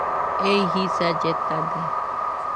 Ei jisa lletade.